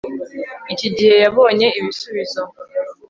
Iki gihe yabonye ibisubizo